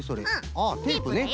あテープね。